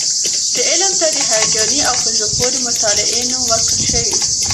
دې علم ته د هیجاني او په زړه پورې مطالعې نوم ورکړل شوی.